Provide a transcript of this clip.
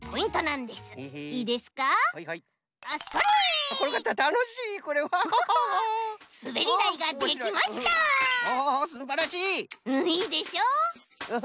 いいでしょ？